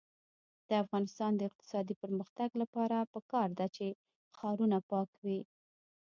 د افغانستان د اقتصادي پرمختګ لپاره پکار ده چې ښارونه پاک وي.